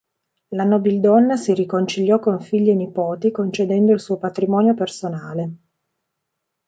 La nobildonna si riconciliò con figli e nipoti concedendo il suo patrimonio personale.